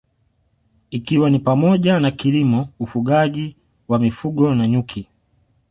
Ikiwa ni pamoja na kilimo ufugaji wa mifugo na nyuki